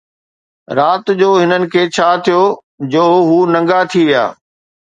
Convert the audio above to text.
رات جو هنن کي ڇا ٿيو جو هو ننگا ٿي ويا